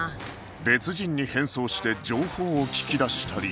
別人に変装して情報を聞き出したり